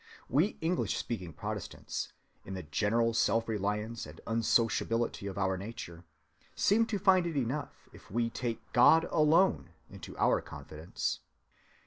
We English‐speaking Protestants, in the general self‐reliance and unsociability of our nature, seem to find it enough if we take God alone into our confidence.